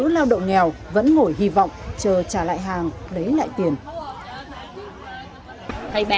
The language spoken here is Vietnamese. mặc dù nhóm người bán hàng đã cao chạy xa bay